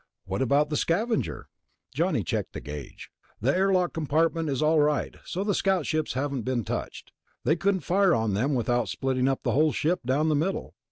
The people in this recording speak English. "What about the Scavenger?" Johnny checked a gauge. "The airlock compartment is all right, so the scout ships haven't been touched. They couldn't fire on them without splitting the whole ship down the middle."